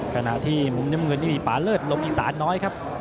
ขณะที่มุมน้ำเงินนี่มีป่าเลิศลมอีสานน้อยครับ